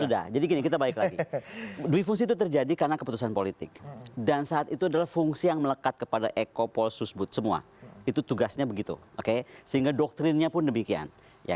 sudah jadi gini kita balik lagi dui fungsi itu terjadi karena keputusan politik dan saat itu adalah fungsi yang melekat kepada eko polsusbut semua itu tugasnya begitu sehingga doktrinnya pun demikian